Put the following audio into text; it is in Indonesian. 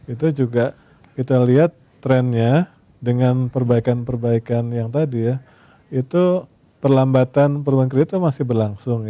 itu juga kita lihat trennya dengan perbaikan perbaikan yang tadi ya itu perlambatan perubahan kredit itu masih berlangsung